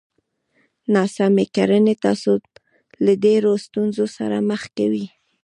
ناسمې کړنې تاسو له ډېرو ستونزو سره مخ کوي!